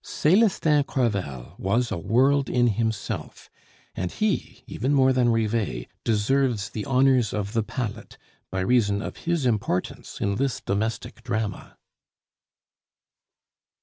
Celestin Crevel was a world in himself; and he, even more than Rivet, deserves the honors of the palette by reason of his importance in this domestic drama.